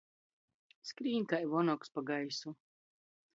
Skrīn kai vonogs pa gaisu.